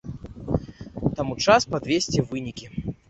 Таму час падвесці вынікі.